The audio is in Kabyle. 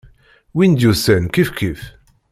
Win d-yusan, kifkif.